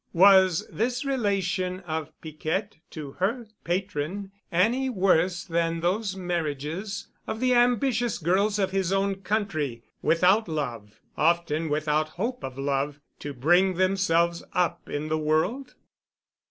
Was this relation of Piquette to her patron any worse than those marriages of the ambitious girls of his own country, without love, often without hope of love, to bring themselves up in the world?